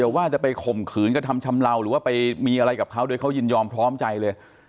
ว่าจะไปข่มขืนกระทำชำเลาหรือว่าไปมีอะไรกับเขาโดยเขายินยอมพร้อมใจเลย